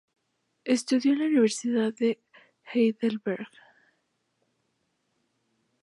Estudió en la Universidad de Heidelberg.